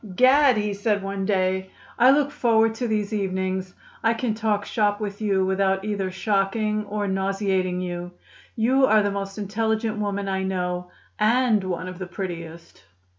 "Gad!" he said one day. "I look forward to these evenings. I can talk shop with you without either shocking or nauseating you. You are the most intelligent woman I know and one of the prettiest."